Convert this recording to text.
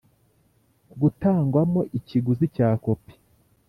Gutangwamo ikiguzi cya kopi